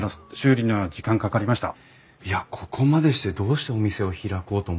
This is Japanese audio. いやここまでしてどうしてお店を開こうと思われたんですか？